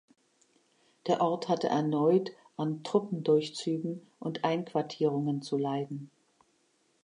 Der Ort hatte erneut an Truppendurchzügen und Einquartierungen zu leiden.